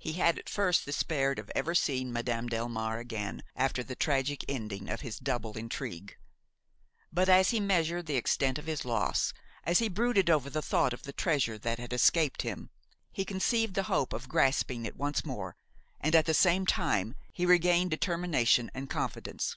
He had at first despaired of ever seeing Madame Delmare again after the tragic ending of his double intrigue. But, as he measured the extent of his loss, as he brooded over the thought of the treasure that had escaped him, he conceived the hope of grasping it once more, and, at the same time he regained determination and confidence.